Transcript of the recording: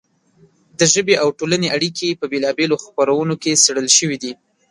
د ژبې او ټولنې اړیکې په بېلا بېلو خپرونو کې څېړل شوې دي.